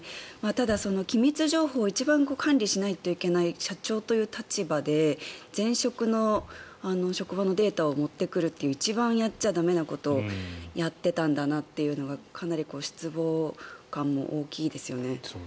ただ、機密情報を一番管理しないといけないという社長という立場で前職の職場のデータを持ってくるという一番やっちゃ駄目なことをやっていたんだなというのがかなり失望感も大きいですよね。